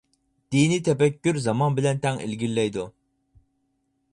دىنىي تەپەككۇر زامان بىلەن تەڭ ئىلگىرىلەيدۇ.